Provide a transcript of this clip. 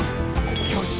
「よし！